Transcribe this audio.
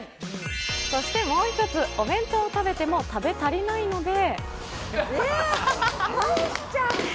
そしてもう一つ、お弁当を食べても食べ足りないので。